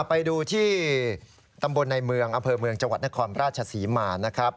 ไปดูที่ตำบลในเมืองอำเภอเมืองจังหวัดนครราชศรีมานะครับ